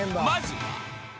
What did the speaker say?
まずは］